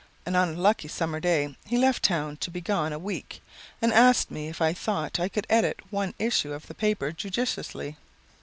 and on a lucky Summer day he left town to be gone a week, and asked me if I thought I could edit one issue of the paper judiciously.